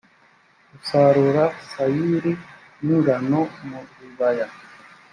gusarura sayiri n ingano mu bibaya